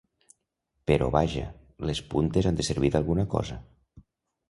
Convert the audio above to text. …Però vaja, les puntes han de servir d’alguna cosa.